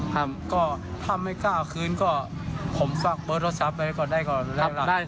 ถ้าไม่กล้าคืนก็ผมฝากโปรดโทรศัพท์ไปก่อนได้ค่ะ